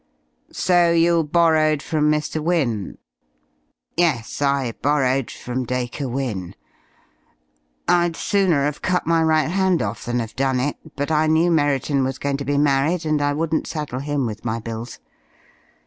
"So you borrowed from Mr. Wynne?" "Yes, I borrowed from Dacre Wynne. I'd sooner have cut my right hand off than have done it, but I knew Merriton was going to be married, and I wouldn't saddle him with my bills.